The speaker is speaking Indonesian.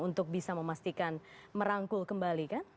untuk bisa memastikan merangkul kembali kan